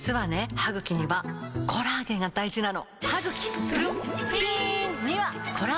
歯ぐきにはコラーゲンが大事なの！